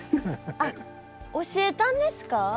あっ教えたんですか？